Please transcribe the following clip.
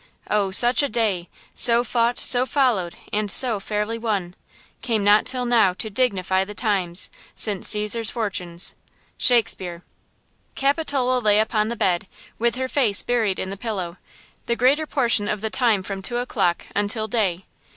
Oh, such a day! So fought, so followed and so fairly won Came not till now to dignify the times, Since Caesar's fortunes. –SHAKESPEARE Capitola lay upon the bed, with her face buried in the pillow, the greater portion of the time from two o'clock until day.